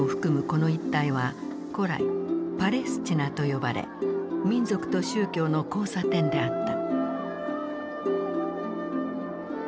この一帯は古来パレスチナと呼ばれ民族と宗教の交差点であった。